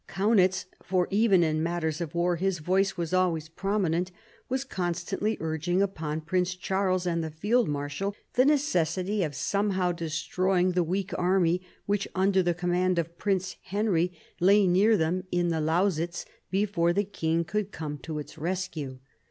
Kaunitz — for even in matters of war his voice was always predominant — was constantly urging upon Prince Charles and the field marshal the necessity of somehow destroying the weak army, which under the command of Prince Henry lay near them in the Lausitz, before the king could come to its rescue.